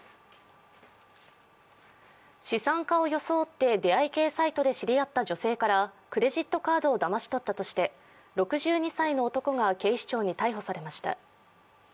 資産家を装って出会い系サイトで知り合った女性からクレジットカードをだまし取ったとして６２歳の男が警視庁に逮捕されました。